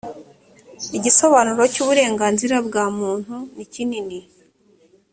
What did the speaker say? igisobanuro cy uburenganzira bwa muntu nikinini.